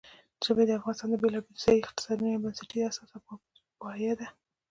ژبې د افغانستان د بېلابېلو ځایي اقتصادونو یو بنسټیزه اساس او پایایه ده.